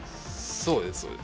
「そうですそうです。